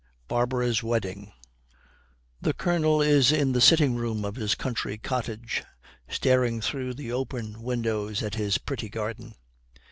BARBARA'S WEDDING The Colonel is in the sitting room of his country cottage, staring through the open windows at his pretty garden.